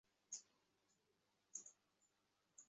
তিনি এখনও সাহিত্যের বীর হিসেবে সম্মানিত হন।